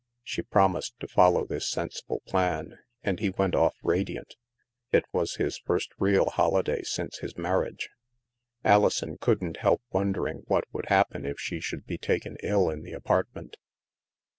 She promised to follow this sensible plan, and he went off radiant. It was his first real holiday since his marriage. Alison couldn't help wondering what would hap pen if she should be taken ill in the apartment.